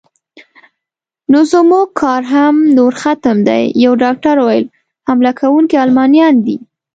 نو زموږ کار هم نور ختم دی، یو ډاکټر وویل: حمله کوونکي المانیان دي.